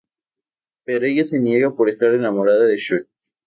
Pero ella se niega por estar enamorada de Shrek.